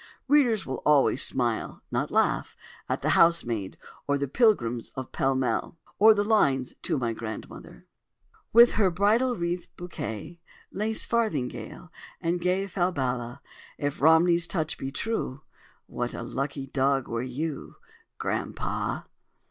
Readers will always smile (not laugh) at "The Housemaid" or "The Pilgrims of Pall Mall" or the lines "To my Grandmother"— "With her bridal wreath, bouquet, Lace farthingale, and gay Falbala,— If Romney's touch be true, What a lucky dog were you, Grandpapa!